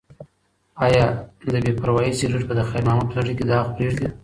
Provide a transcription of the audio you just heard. ایا د بې پروایۍ سګرټ به د خیر محمد په زړه کې داغ پریږدي؟